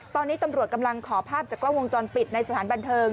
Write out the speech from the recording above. ตอนนี้ตำรวจกำลังขอภาพจากกล้องวงจรปิดในสถานบันเทิง